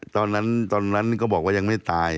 ตอนนั้นเขาบอกว่ายังไม่ตาย